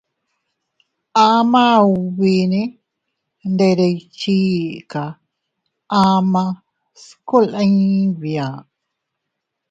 Ama ubine ndere iychika ama kuslin biaa.